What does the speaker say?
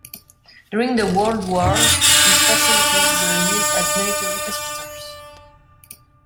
During the world wars, these facilities were used as military hospitals.